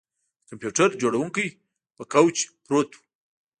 د کمپیوټر جوړونکی په کوچ پروت و